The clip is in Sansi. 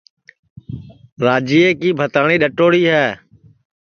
راجیے کی بھتاٹؔی ڈؔٹؔوڑی ہے